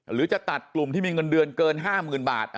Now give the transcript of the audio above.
หรือจะตัดกลุ่มที่มีเงินเดือนเกิน๕๐๐๐บาท